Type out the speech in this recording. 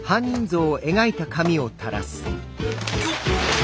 よっ。